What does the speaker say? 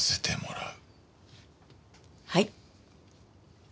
はい。